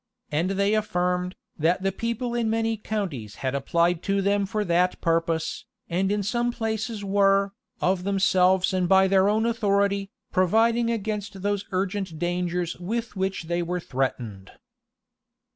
And they affirmed, that the people in many counties had applied to them for that purpose, and in some places were, of themselves and by their own authority, providing against those urgent dangers with which they were threatened.